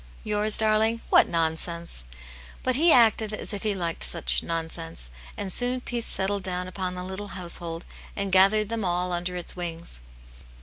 " Yours, darling ? What nonsense." But he acted as if he liked such nonsense, and soon peace settled down upon the little household, and gathered them all under its wings.